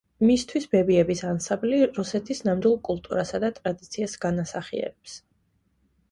მისთვის ბებიების ანსაბლი რუსეთის ნადვილ კულტურასა და ტრადიციას განასახიერებს.